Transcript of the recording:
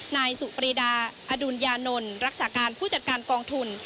นายสุปรีดาอดุญญานนท์รักษาการผู้จัดการกองทุน